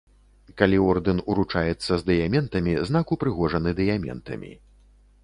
Калі ордэн уручаецца з дыяментамі, знак упрыгожаны дыяментамі.